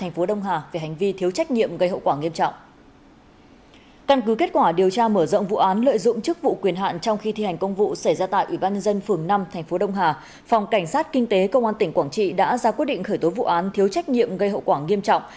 phòng cảnh sát kinh tế công an tỉnh quảng trị đã ra quyết định khởi tố vụ án thiếu trách nhiệm gây hậu quả nghiêm trọng